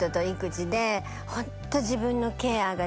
ホント。